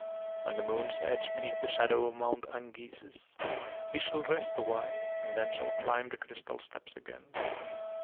On the moon's edge beneath the shadow of Mount Angises he shall rest awhile and then shall climb the crystal steps again.